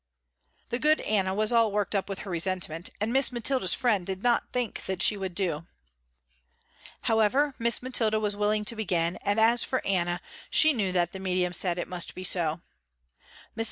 The good Anna was all worked up with her resentment, and Miss Mathilda's friend did not think that she would do. However, Miss Mathilda was willing to begin and as for Anna, she knew that the medium said it must be so. Mrs.